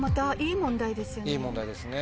いい問題ですね。